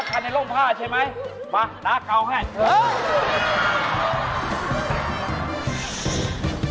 แล้วก็คันในร่มผ้าใช่ไหมมาดาเกาให้เค้า